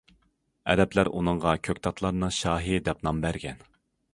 ئەرەبلەر ئۇنىڭغا‹‹ كۆكتاتلارنىڭ شاھى›› دەپ نام بەرگەن.